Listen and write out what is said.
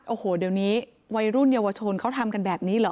โอ้โหเดี๋ยวนี้วัยรุ่นเยาวชนเขาทำกันแบบนี้เหรอ